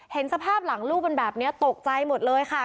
เห็นสภาพหลังลูกเป็นแบบนี้ตกใจหมดเลยค่ะ